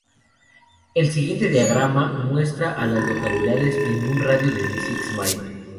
El siguiente diagrama muestra a las localidades en un radio de de Six Mile.